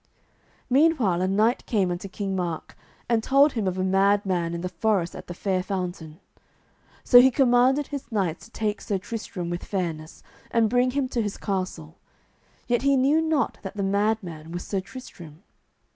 Meanwhile a knight came unto King Mark and told him of a mad man in the forest at the fair fountain. So he commanded his knights to take Sir Tristram with fairness, and bring him to his castle, yet he knew not that the mad man was Sir Tristram.